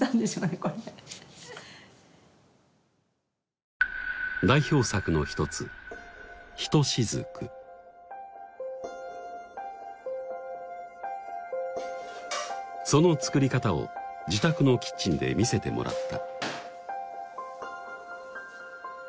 これ代表作の一つその作り方を自宅のキッチンで見せてもらった